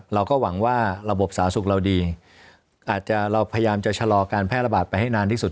เราก็หวังว่าระบบสาธารณสุขเราดีอาจจะเราพยายามจะชะลอการแพร่ระบาดไปให้นานที่สุด